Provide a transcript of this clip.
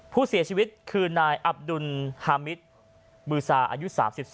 ผู้เสียชีวิตคือนายอับดุลฮามิตบือซาอายุ๓๒